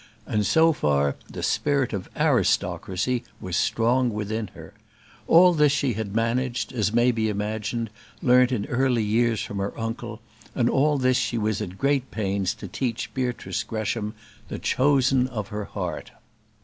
And so far the spirit of aristocracy was strong within her. All this she had, as may be imagined, learnt in early years from her uncle; and all this she was at great pains to teach Beatrice Gresham, the chosen of her heart.